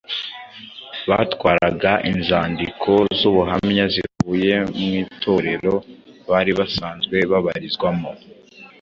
batwaraga inzandiko z’ubuhamya zivuye mu Itorero bari basanzwe babarizwamo;